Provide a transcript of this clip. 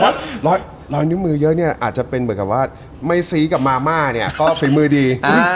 ไม่มีมือเยอะนี่อาจจะเป็นเหมือนกับว่าไม่สีกับมาม่าเนี่ยก็เป็นมือดี